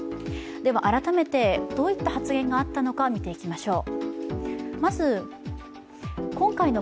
改めてどういった発言があったのか見ていきましょう。